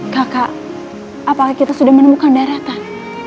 kakak apakah kita sudah menemukan daratan